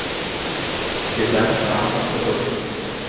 Gesamtrang zurück.